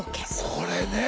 これね。